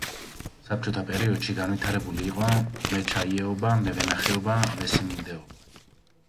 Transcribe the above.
საბჭოთა პერიოდში განვითარებული იყო მეჩაიეობა, მევენახეობა, მესიმინდეობა.